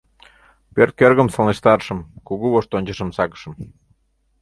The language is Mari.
Пӧрт кӧргым сылнештарышым, кугу воштончышым сакышым.